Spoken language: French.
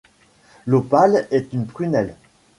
L’opale est une prunelle